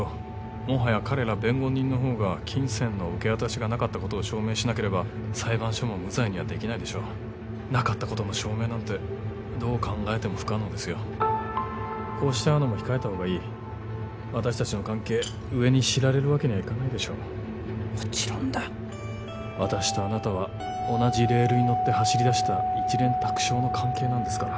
もはや彼ら弁護人の方が金銭の受け渡しがなかったことを証明しなければ裁判所も無罪にはできないでしょうなかったことの証明なんてどう考えても不可能ですよこうして会うのも控えた方がいい私達の関係上に知られるわけにはいかないでしょうもちろんだ私とあなたは同じレールに乗って走りだした一蓮托生の関係なんですから